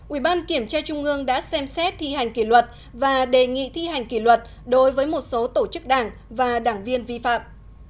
ủy ban kiểm tra trung ương đã xem xét thi hành kỷ luật và đề nghị thi hành kỷ luật đối với một số tổ chức đảng và đảng viên vi phạm